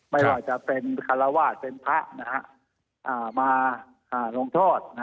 ไม่ว่าจะเป็นคารวาสเป็นพระมาลงโทษ